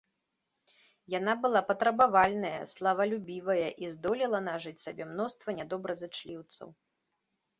Яна была патрабавальная, славалюбівыя і здолела нажыць сабе мноства нядобразычліўцаў.